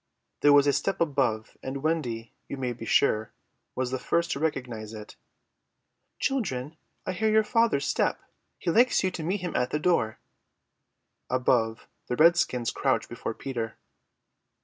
There was a step above, and Wendy, you may be sure, was the first to recognize it. "Children, I hear your father's step. He likes you to meet him at the door." Above, the redskins crouched before Peter.